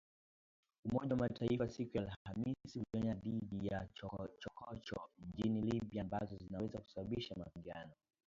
Umoja wa Mataifa siku ya Alhamis ulionya dhidi ya chokochoko nchini Libya ambazo zinaweza kusababisha mapigano.